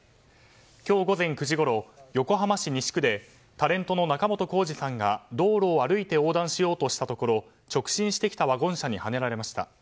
今日午前９時ごろ、横浜市西区でタレントの仲本工事さんが道路を歩いて横断しようとしたところ直進してきたワゴン車にはねられました。